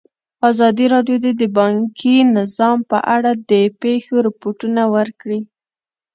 ازادي راډیو د بانکي نظام په اړه د پېښو رپوټونه ورکړي.